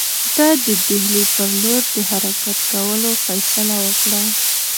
ده د ډهلي پر لور د حرکت کولو فیصله وکړه.